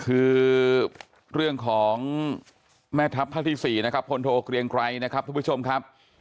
คือเรื่องของแม่ทัพภาคที่๔นะครับพลโทเกลียงไกรนะครับทุกผู้ชมครับ